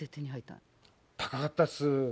高かったです。